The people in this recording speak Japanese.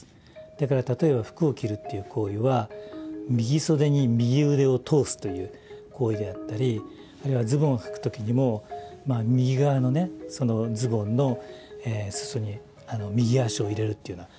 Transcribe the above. だから例えば服を着るっていう行為は右袖に右腕を通すという行為であったりあるいはズボンをはく時にも右側のねズボンの裾に右足を入れるというような行為。